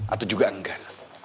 atau juga enggal